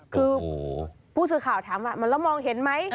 คือผู้สื่อข่าวถามว่าแล้วมองเห็นไหม